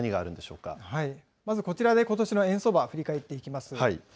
まずこちらでことしの円相場、振り返っていきます。